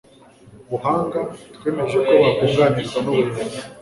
buhanga twemeje ko bakunganirwa n ubuyobozi